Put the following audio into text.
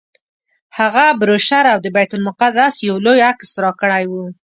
هغه بروشر او د بیت المقدس یو لوی عکس راکړی و.